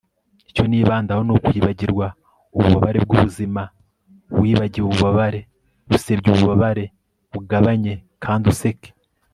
icyo nibandaho ni ukwibagirwa ububabare bw'ubuzima. wibagiwe ububabare, usebya ububabare, ugabanye. kandi useke